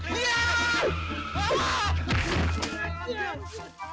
eh yang salah penggangguan